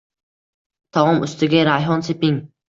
Taom ustiga rayhon seping